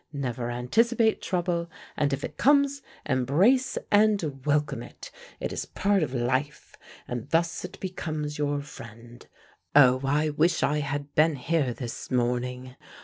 Never anticipate trouble, and if it comes embrace and welcome it: it is part of life, and thus it becomes your friend. Oh, I wish I had been here this morning!